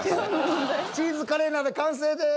チーズカレー鍋完成です。